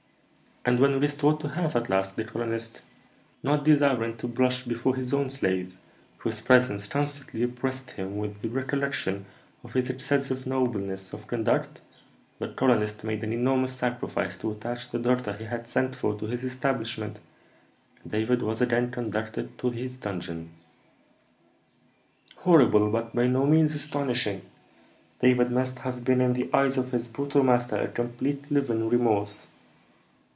"And, when restored to health at last, the colonist " "Not desiring to blush before his own slave, whose presence constantly oppressed him with the recollection of his excessive nobleness of conduct, the colonist made an enormous sacrifice to attach the doctor he had sent for to his establishment, and David was again conducted to his dungeon." "Horrible, but by no means astonishing. David must have been in the eyes of his brutal master a complete living remorse."